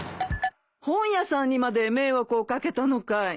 本屋さんにまで迷惑をかけたのかい。